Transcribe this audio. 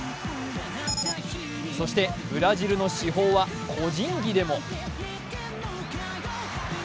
そしてブラジルの至宝は個人技でも。